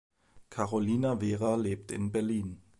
Carolina Vera lebt in Berlin.